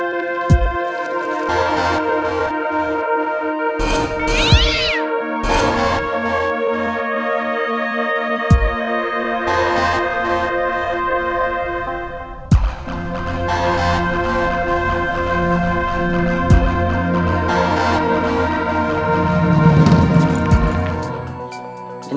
kucingnya tidak mau berhenti